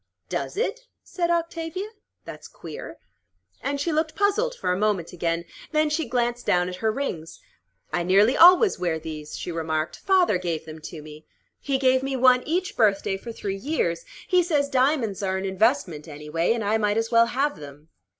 "Does it?" said Octavia. "That's queer." And she looked puzzled for a moment again. Then she glanced down at her rings. "I nearly always wear these," she remarked. "Father gave them to me. He gave me one each birthday for three years. He says diamonds are an investment, anyway, and I might as well have them.